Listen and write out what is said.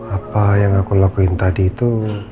apa yang aku lakuin tadi itu